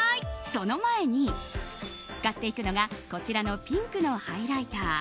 その前に、使っていくのがこちらのピンクのハイライター。